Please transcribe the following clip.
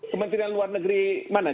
kementerian luar negeri mana